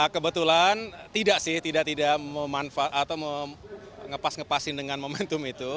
kebetulan tidak sih tidak tidak memanfaatkan atau mengepas ngepasin dengan momentum itu